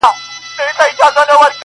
دوستانه مجلسونه خوشالي راولي